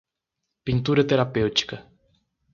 Pintura terapêutica